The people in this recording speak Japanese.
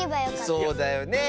そうだよねえ。